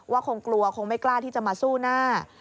คงกลัวคงไม่กล้าที่จะมาสู้หน้า